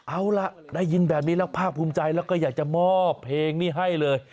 เอาล่ะได้ยินแบบนี้แล้วภาคภูมิใจแล้วก็อยากจะมอบเพลงนี้ให้เลย